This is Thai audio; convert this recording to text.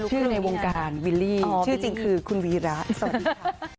ชื่อในวงการวิลลี่ชื่อจริงคือคุณวีระสวัสดีค่ะ